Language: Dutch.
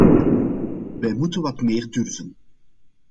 Wij moeten wat meer durven.